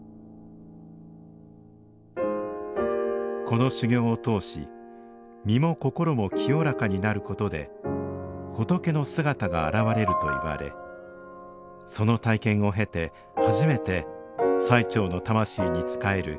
この修行を通し身も心も清らかになることで仏の姿が現れるといわれその体験を経て初めて最澄の魂に仕える